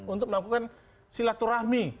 untuk melakukan silaturahmi